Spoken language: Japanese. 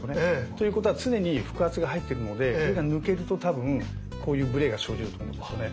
ということは常に腹圧が入っているのでこれが抜けると多分こういうブレが生じると思うんですよね。